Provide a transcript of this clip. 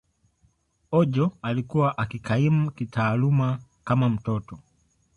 Ojo alikuwa akikaimu kitaaluma kama mtoto.